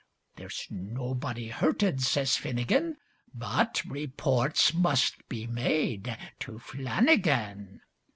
"There's nobody hurted," sez Finnigin, "But repoorts must be made to Flannigan."